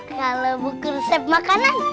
kalau buku resep makanan